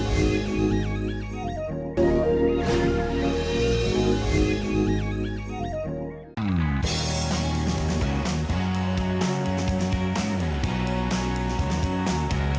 kita sudah mencapai lima ratus juta